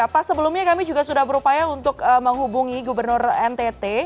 pak sebelumnya kami juga sudah berupaya untuk menghubungi gubernur ntt